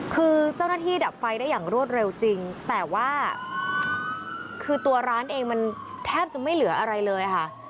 คือเจ้าหน้าที่ดับไฟได้อย่างรวดเร็วจริงแต่ว่าคือตัวร้านเองมันแทบจะไม่เหลืออะไรเลยค่ะ